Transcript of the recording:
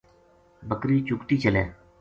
بکری چُگتی چلے